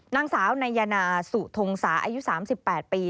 นางสาวนายนาสุทงศาอายุ๓๘ปี